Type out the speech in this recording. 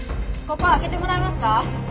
ここ開けてもらえますか？